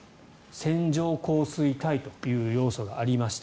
線状降水帯という要素がありました。